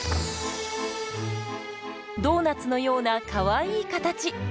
ドーナツのようなかわいい形。